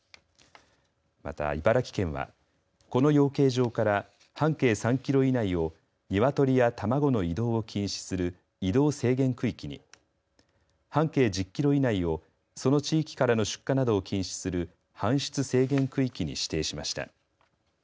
また、茨城県はこの養鶏場から半径３キロ以内を鶏や卵の移動を禁止する移動制限区域に半径１０キロ以内をその地域からの出荷などを禁止する搬出制限区域に指定しました。